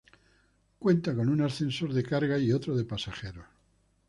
Cuenta con un ascensor de carga y otro de pasajeros.